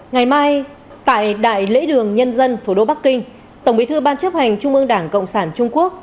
ngày mai tại đại lễ đường nhân dân thủ đô bắc kinh tổng bí thư ban chấp hành trung ương đảng cộng sản trung quốc